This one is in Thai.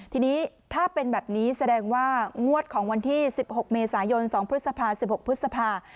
ทีนี้ถ้าเป็นแบบนี้แสดงว่างวดของวันที่๑๖เมษายน๒พฤษภา๑๖พฤษภา